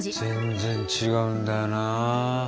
全然違うんだよな。